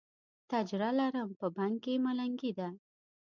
تجره لرم، په بنګ کې ملنګي ده